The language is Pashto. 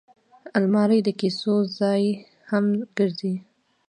الماري د کیسو ځای هم ګرځي